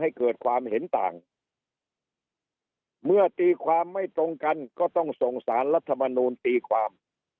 ให้เกิดความเห็นต่างเมื่อตีความไม่ตรงกันก็ต้องส่งสารรัฐมนูลตีความ